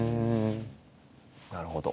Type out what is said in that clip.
なるほど。